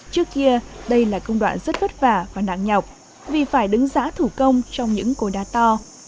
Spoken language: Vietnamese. trước kia đây là công đoạn rất vất vả và nặng nhọc vì phải đứng giã thủ công trong những cối đa to